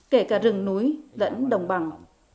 kể cả rừng núi lẫn đồng bằng